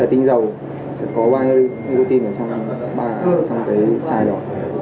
nó tự trưng ra là một cái chai tinh dầu có bao nhiêu thuốc lá điện tử trong cái chai đó